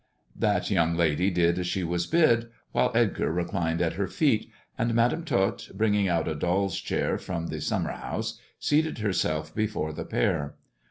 That young lady did as she was bid, while Edgar reclined at her feet, and Madam Tot, bringing out a doll's chair from the summer house, seated herself before the pair.